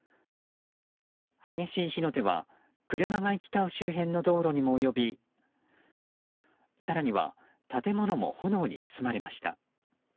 激しい火の手は車が行き交う周辺の道路にも及び更には建物も炎に包まれました。